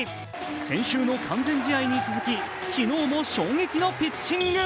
先週の完全試合に続き、昨日も衝撃のピッチング。